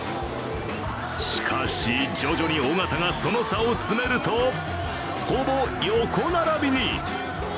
しかし、徐々に小方がその差を詰めるとほぼ横並びに。